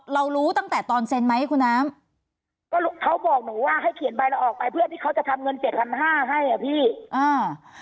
รู้ตั้งแต่ตอนเซ็นไหมคุณน้ำก็เขาบอกหนูว่าให้เขียนใบเราออกไปเพื่อที่เขาจะทำเงินเจ็ดพันห้าให้อ่ะพี่อ่า